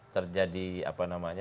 terjadi alternatif itu